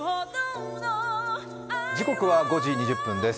時刻は５時２０分です。